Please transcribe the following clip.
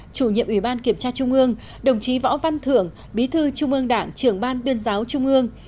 chủ nhiệm ủy ban kiểm tra trung ương đồng chí võ văn thưởng bí thư trung ương đảng trưởng ban tuyên giáo trung ương